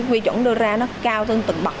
quy chuẩn đưa ra nó cao trên từng bậc